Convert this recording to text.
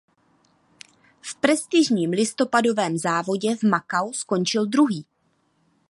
V prestižním listopadovém závodě v Macau skončil druhý.